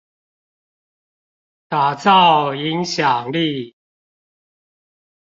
打造影響力